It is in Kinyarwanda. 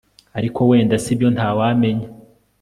ariko wenda sibyo ntawamenya